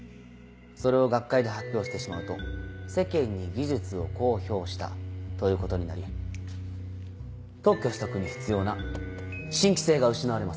それを学会で発表してしまうと世間に技術を公表したということになり特許取得に必要な「新規性」が失われます。